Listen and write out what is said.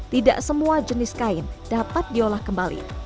tidak semua jenis kain dapat diolah kembali